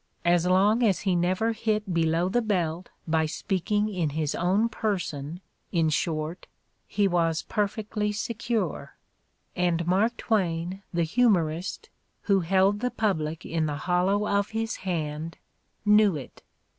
As long as he never hit below the belt by speaking in his own person, in short, he was perfectly secure. And Mark Twain, the humorist, who held the public in the hollow of his hand, knew it.